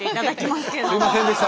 すみませんでした。